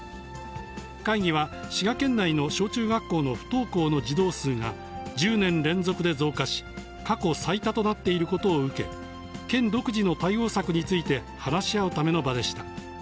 会議は、滋賀県内の小中学校の不登校の児童数が、１０年連続で増加し、過去最多となっていることを受け、県独自の対応策について話し合うための場でした。